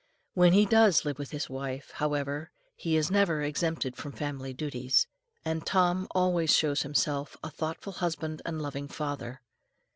When he does live with his wife, however, he is never exempted from family duties. And Tom always shows himself a thoughtful husband and loving father.